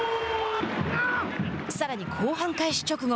さらに後半開始直後。